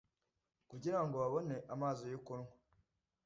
kugira ngo babone amazi yo kunywa